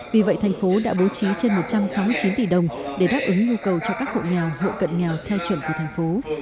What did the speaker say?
vì vậy thành phố đã bố trí trên một trăm sáu mươi chín tỷ đồng để đáp ứng nhu cầu cho các hộ nghèo hộ cận nghèo theo chuẩn của thành phố